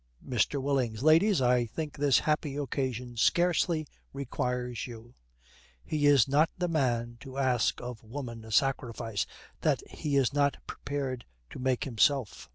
MR. WILLINGS. 'Ladies, I think this happy occasion scarcely requires you.' He is not the man to ask of woman a sacrifice that he is not prepared to make himself.